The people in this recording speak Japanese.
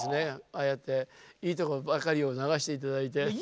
ああやっていいとこばかりを流して頂いて。